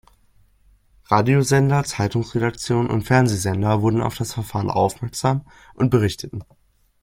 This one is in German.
Radiosender, Zeitungsredaktionen und Fernsehsender wurden auf das Verfahren aufmerksam und berichteten.